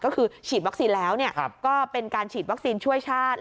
ก็คือฉีดวัคซีนแล้วก็เป็นการฉีดวัคซีนช่วยชาติ